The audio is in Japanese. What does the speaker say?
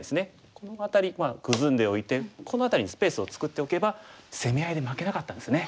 この辺りまあグズんでおいてこの辺りにスペースを作っておけば攻め合いで負けなかったんですね。